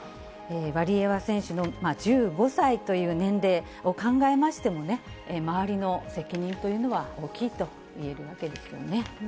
ワリエワ選手の１５歳という年齢を考えましてもね、周りの責任というのは大きいと言えるわけですよね。